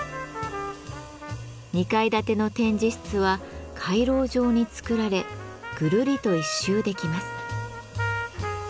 ２階建ての展示室は回廊状に造られぐるりと１周できます。